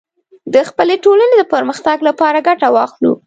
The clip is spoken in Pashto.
د خپلې ټولنې د پرمختګ لپاره ګټه واخلو